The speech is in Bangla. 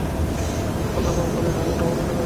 এটা কল্যাণময় উপদেশ, আমি এটা অবতীর্ণ করেছি।